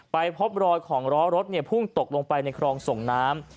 พบรอยของล้อรถพุ่งตกลงไปในคลองส่งน้ำ